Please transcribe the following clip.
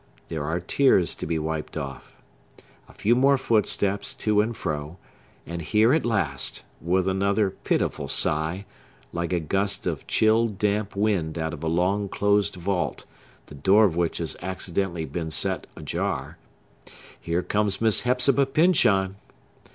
There are tears to be wiped off. A few more footsteps to and fro; and here, at last,—with another pitiful sigh, like a gust of chill, damp wind out of a long closed vault, the door of which has accidentally been set, ajar—here comes Miss Hepzibah Pyncheon!